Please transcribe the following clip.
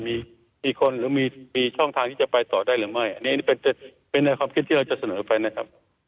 มีคนหรือมีช่องทางที่จะไปต่อได้หรือไม่อันนี้เป็นในความคิดที่เราจะเสนอไปนะครับ